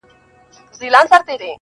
همېشه ورسره تلله په ښكارونو!.